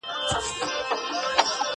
که وخت وي تمرين کوم